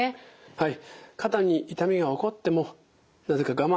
はい。